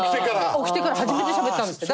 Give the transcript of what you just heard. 起きてから初めてしゃべったんですって。